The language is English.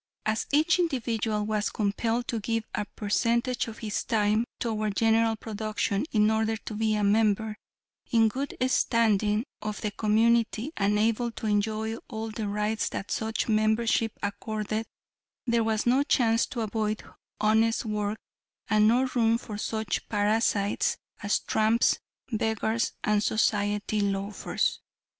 "As each individual was compelled to give a percentage of his time toward general production, in order to be a member, in good standing, of the community, and able to enjoy all the rights that such membership accorded, there was no chance to avoid honest work and no room for such parasites as tramps, beggars and society loafers.